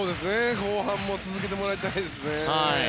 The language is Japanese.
後半も続けてもらいたいですね。